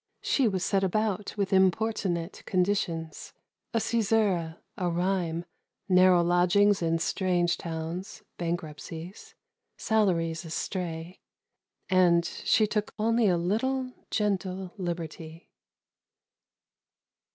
She was set about with importunate conditions a caesura, a rhyme, narrow lodgings in strange towns, bankruptcies, salaries astray and she took only a little gentle liberty.